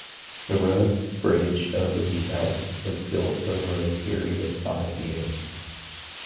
The road bridge over the Elbe was built over a period of five years.